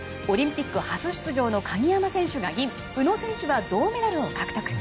オリンピック初出場の鍵山選手が銀宇野選手は銅メダルを獲得。